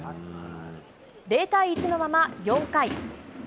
０対１のまま４回。